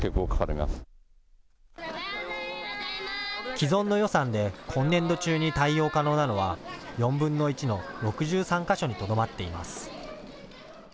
既存の予算で今年度中に対応可能なのは４分の１の６３か所にとどまっています。